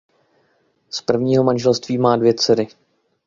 Z prvního manželství má dvě dcery.